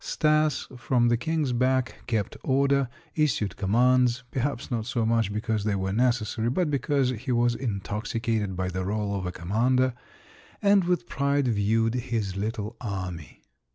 Stas, from the King's back, kept order, issued commands perhaps not so much because they were necessary, but because he was intoxicated by the role of a commander and with pride viewed his little army.